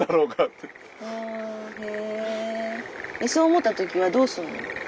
そう思った時はどうするの？